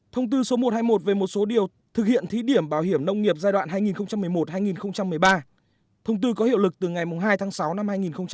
thông tư số một trăm hai mươi một về một số điều thực hiện thí điểm bảo hiểm nông nghiệp giai đoạn hai nghìn một mươi một hai nghìn một mươi ba thông tư có hiệu lực từ ngày hai tháng sáu năm hai nghìn một mươi chín